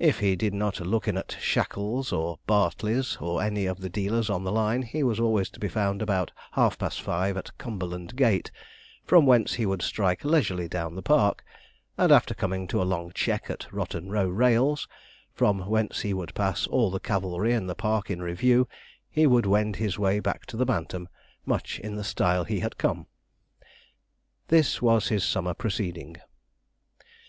If he did not look in at Shackell's or Bartley's, or any of the dealers on the line, he was always to be found about half past five at Cumberland Gate, from whence he would strike leisurely down the Park, and after coming to a long check at Rotten Row rails, from whence he would pass all the cavalry in the Park in review, he would wend his way back to the Bantam, much in the style he had come. This was his summer proceeding.